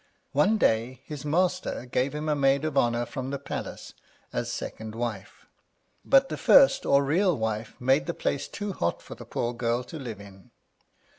One day his master gave him a maid of honour from the palace as second wife, but the first or real wife made the place too hot for the poor girl to live in.